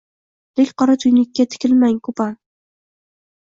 Lek qora tuynukka tikilmang ko’pam.